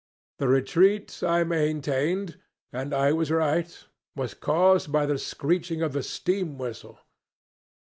The retreat, I maintained and I was right was caused by the screeching of the steam whistle.